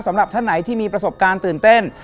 สำหรับท่านไหนที่มีประสบการณ์ตื่นเต้น